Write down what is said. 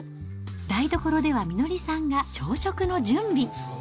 台所ではみのりさんが朝食の準備。